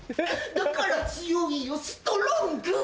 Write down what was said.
だから強いよストロング！